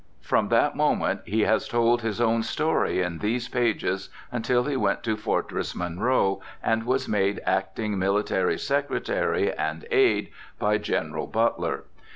From that moment he has told his own story in these pages until he went to Fortress Monroe, and was made acting military secretary and aid by General Butler.